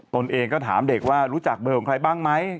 ตนเองก็ถามเด็กว่ารู้จักเบอร์ของใครบ้างไหม